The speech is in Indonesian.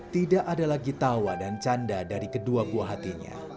tidak ada lagi tawa dan canda dari kedua buah hatinya